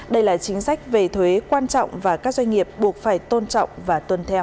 đây là chính sách về thuế quan trọng và các doanh nghiệp buộc phải tôn trọng và tuân theo